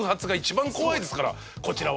こちらは。